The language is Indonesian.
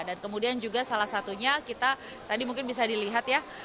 dan kemudian juga salah satunya kita tadi mungkin bisa dilihat ya